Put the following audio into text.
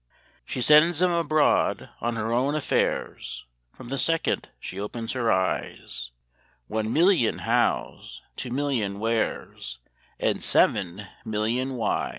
She sends 'em abroad on her own affairs, From the second she opens her eyes One million Hows, two million Wheres, And seven million Whys!